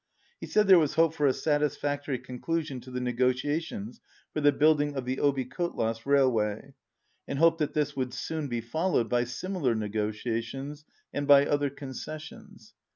He said there was hope for a satisfactory conclusion to the ne gotiations for the building of the Obi Kotlas rail way, and hoped that this would soon be followed by similar negotiations and by other concessions.